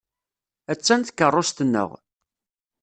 Attan tkeṛṛust-nneɣ.